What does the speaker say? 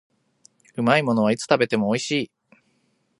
美味しいものはいつ食べても美味しい